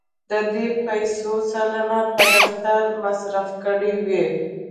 د دې پیسو سلنه په دفتر مصرف کړې وې.